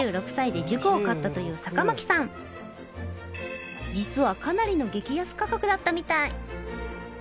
今年実はかなりの激安価格だったみたい